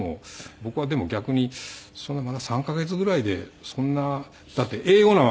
僕はでも逆にそんなまだ３カ月ぐらいでそんなだって英語なわけなので。